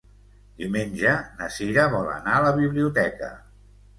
Diumenge na Sira vol anar a la biblioteca.